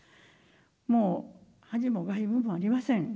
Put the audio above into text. もう、恥も外聞もありません。